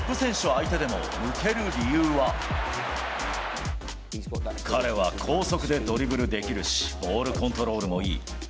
相手でも抜彼は高速でドリブルできるし、ボールコントロールもいい。